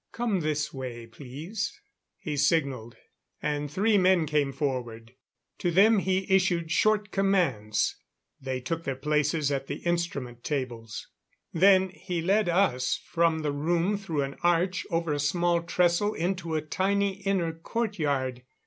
"Come this way, please." He signalled, and three men came forward. To them he issued short commands; they took their places at the instrument tables. Then he led us from the room through an arch, over a small trestle, into a tiny inner courtyard.